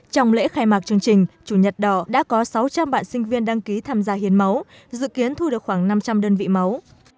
trong lễ khai mạc chương trình chủ nhật đỏ đã có sáu trăm linh bạn sinh viên đăng ký tham gia hiến máu dự kiến thu được khoảng năm trăm linh đơn vị máu